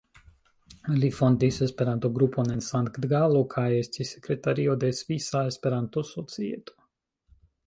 Li fondis Esperanto-grupon en Sankt-Galo kaj estis sekretario de Svisa Esperanto-Societo.